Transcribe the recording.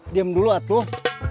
diam dulu atuh